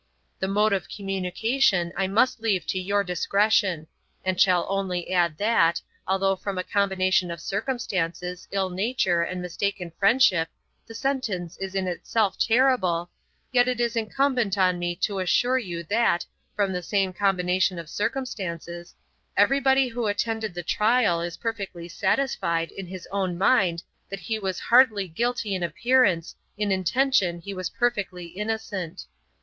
The mode of communication I must leave to your discretion; and shall only add that, although from a combination of circumstances, ill nature, and mistaken friendship, the sentence is in itself terrible, yet it is incumbent on me to assure you that, from the same combination of circumstances, everybody who attended the trial is perfectly satisfied in his own mind that he was hardly guilty in appearance, in intention he was perfectly innocent.